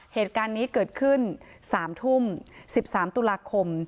เหตุการณ์นี้เกิดขึ้น๓ทุ่ม๑๓ตุลาคม